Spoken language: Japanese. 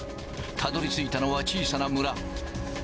たどりついたのは小さな村。